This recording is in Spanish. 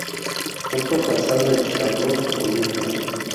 Portó calzado de Charlotte Olympia.